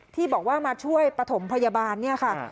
ที่บอกว่ามาช่วยปฐมพยาบาลเนี่ยค่ะ